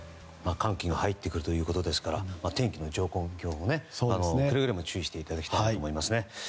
寒気が入ってくるということですから天気の情報、今日もくれぐれも注意していただきたいと思います。